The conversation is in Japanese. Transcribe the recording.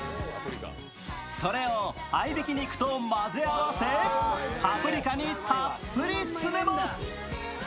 それを合いびき肉と混ぜ合わせパプリカにたっぷり詰めます。